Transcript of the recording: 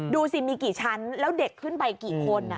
ดูสิมีกี่ชั้นแล้วเด็กขึ้นไปกี่คน